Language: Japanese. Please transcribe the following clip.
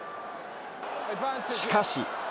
しかし。